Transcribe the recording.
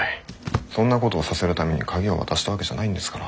そんなことをさせるために鍵を渡したわけじゃないんですから。